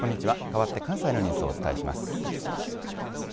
かわって関西のニュースをお伝えします。